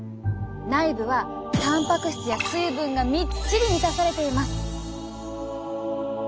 内部はたんぱく質や水分がみっちり満たされています。